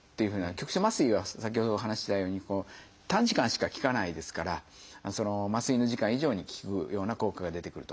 局所麻酔は先ほどお話ししたように短時間しか効かないですから麻酔の時間以上に効くような効果が出てくると。